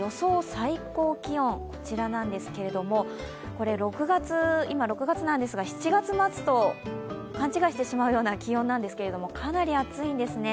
最高気温ですけれども、今６月ですが、７月末と勘違いしてしまうような気温なんですけどかなり暑いんですね。